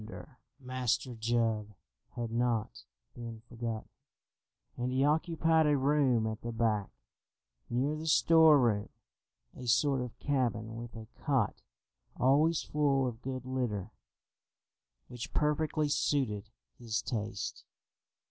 [Illustration: PENCROFT TO THE RESCUE] Master Jup had not been forgotten, and he occupied a room at the back, near the storeroom, a sort of cabin with a cot always full of good litter, which perfectly suited his taste.